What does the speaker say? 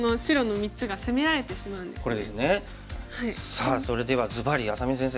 さあそれではずばり愛咲美先生